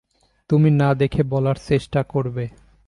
তুমি না দেখে বলার চেষ্টা করবে।